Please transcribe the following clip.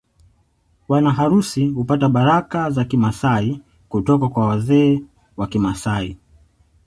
Wanaharusi hupata baraka za Kimasai kutoka kwa mzee wa Kimasai